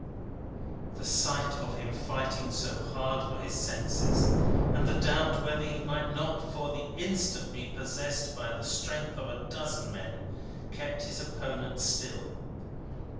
The sight of him fighting so hard for his senses, and the doubt whether he might not for the instant be possessed by the strength of a dozen men, kept his opponent still.